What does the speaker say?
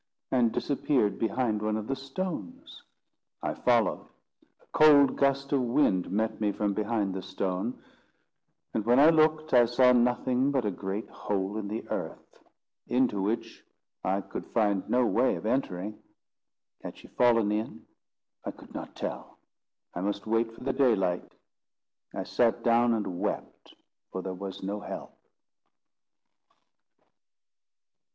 and disappeared behind one of the stones. I followed. A cold gust of wind met me from behind the stone; and when I looked, I saw nothing but a great hole in the earth, into which I could find no way of entering. Had she fallen in? I could not tell. I must wait for the daylight. I sat down and wept, for there was no help.